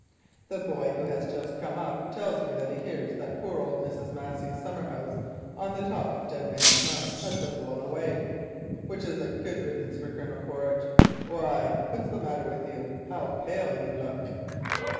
The boy who has just come up with the letters tells me he hears that poor old Mrs. Massey's summer house on the top of Dead Man's Mount has been blown away, which is a good riddance for Colonel Quaritch. Why, what's the matter with you, dear? How pale you look!"